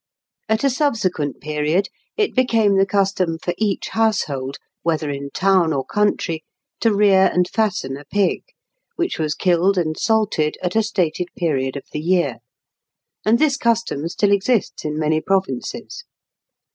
At a subsequent period, it became the custom for each household, whether in town or country, to rear and fatten a pig, which was killed and salted at a stated period of the year; and this custom still exists in many provinces.